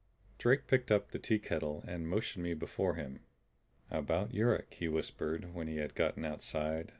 Drake picked up the teakettle and motioned me before him. "About Yuruk," he whispered when he had gotten outside.